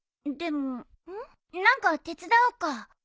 でも何か手伝おうか？